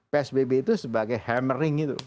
psbb itu sebagai hammering itu